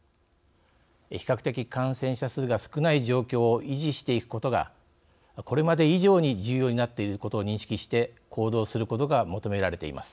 比較的感染者数が少ない状況を維持していくことがこれまで以上に重要になっていることを認識して行動することが求められています。